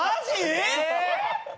えっ！